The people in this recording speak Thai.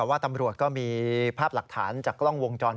ตอนนี้เท่ากันก็มีภาพหลักฐานจากกล้องวงจักร